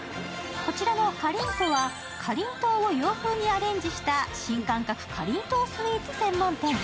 こちらのＣａｒｉｎ＆はかりんとうを洋風にアレンジした新感覚かりんとうスイーツ専門店。